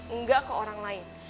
enggak ke orang lain